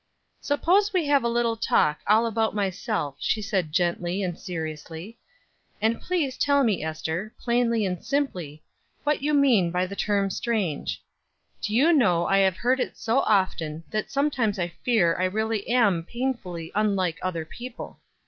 "Suppose we have a little talk, all about myself," she said gently and seriously. "And please tell me, Ester, plainly and simply, what you mean by the term 'strange.' Do you know I have heard it so often that sometimes I fear I really am painfully unlike other people.